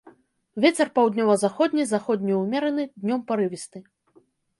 Вецер паўднёва-заходні, заходні ўмераны, днём парывісты.